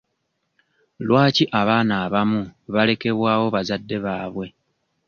Lwaki abaana abamu balekebwawo bazadde baabwe?